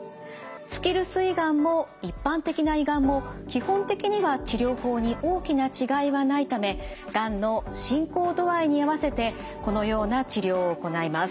スキルス胃がんも一般的な胃がんも基本的には治療法に大きな違いはないためがんの進行度合いに合わせてこのような治療を行います。